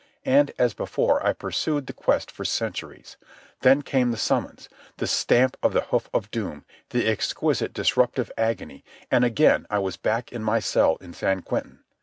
And, as before, I pursued the quest for centuries. Then came the summons, the stamp of the hoof of doom, the exquisite disruptive agony, and again I was back in my cell in San Quentin.